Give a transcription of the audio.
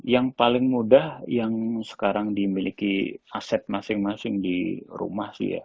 yang paling mudah yang sekarang dimiliki aset masing masing di rumah sih ya